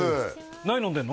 何飲んでんの？